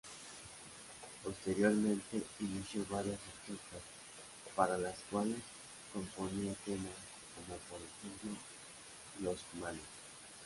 Posteriormente, inició varias orquestas para las cuales componía temas, como por ejemplo Los Cumaná.